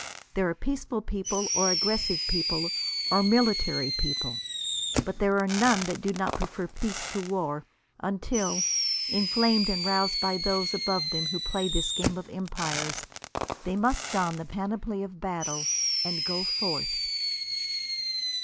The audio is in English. There are peaceful people, or aggressive people, or military people. But there are none that do not prefer peace to war, until, inflamed and roused by those above them who play this game of empires, they must don the panoply of battle and go forth.